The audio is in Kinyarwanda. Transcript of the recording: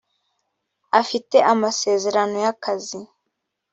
afite amasezerano y’akazi